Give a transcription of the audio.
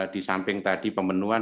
di samping tadi pemenuhan